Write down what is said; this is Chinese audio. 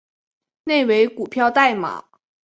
内为股票代码